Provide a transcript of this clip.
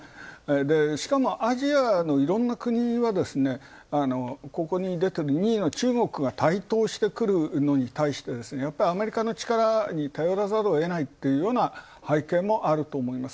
しかもアジアのいろんな国は、ここに出てる２位の中国が台頭してくるのに対して、やっぱりアメリカの力に頼らざるをえないっていうような背景もあると思います。